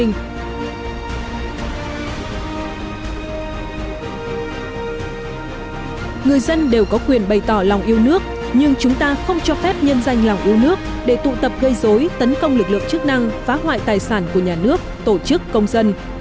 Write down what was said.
người dân đều có quyền bày tỏ lòng yêu nước nhưng chúng ta không cho phép nhân danh lòng yêu nước để tụ tập gây dối tấn công lực lượng chức năng phá hoại tài sản của nhà nước tổ chức công dân